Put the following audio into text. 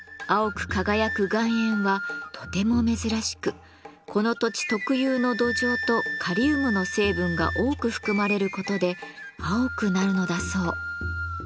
輝く岩塩はとても珍しくこの土地特有の土壌とカリウムの成分が多く含まれることで青くなるのだそう。